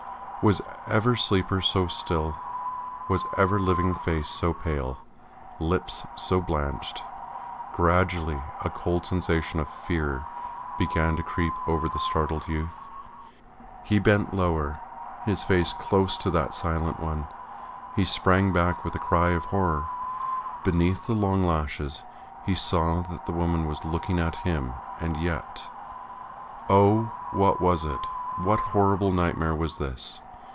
Was ever sleeper so still, was ever living face so pale, lips so blanched? Gradually a cold sensation of fear began to creep over the startled youth; he bent lower, his face close to that silent one. He sprang back with a cry of horror ... beneath the long lashes he saw that the woman was looking at him, and yet.... Oh! What was it? What horrible nightmare was this?...